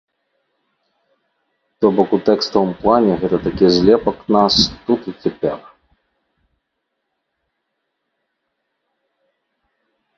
То бок у тэкставым плане гэта такі злепак нас тут і цяпер.